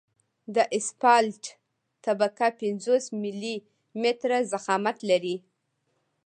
د اسفالټ طبقه پنځوس ملي متره ضخامت لري